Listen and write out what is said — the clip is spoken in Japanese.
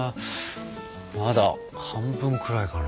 まだ半分くらいかな？